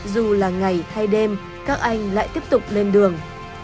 dù là ngày hay đêm các anh lại tiếp tục lên đường